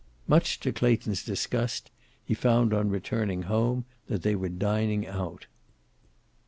Much to Clayton's disgust, he found on returning home that they were dining out.